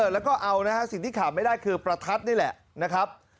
แล้วก็เอานะฮะสิ่งที่ขาดไม่ได้คือประทัดนี่แหละนะครับ